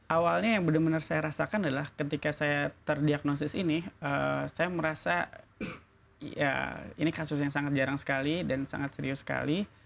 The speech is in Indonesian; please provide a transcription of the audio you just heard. awalnya yang benar benar saya rasakan adalah ketika saya terdiagnosis ini saya merasa ya ini kasus yang sangat jarang sekali dan sangat serius sekali